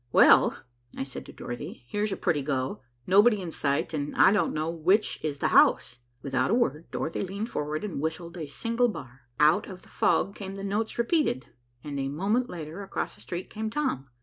"Well," I said to Dorothy, "here's a pretty go. Nobody in sight, and I don't know which is the house." Without a word, Dorothy leaned forward and whistled a single bar. Out of the fog came the notes repeated, and a moment later across the street came Tom.